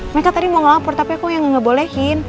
mereka tadi mau lapor tapi kok gak bolehin